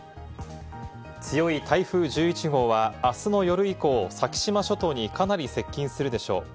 強い台風１１号はあすの夜以降、先島諸島にかなり接近するでしょう。